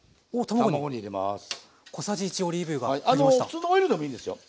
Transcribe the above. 普通のオイルでもいいですよ。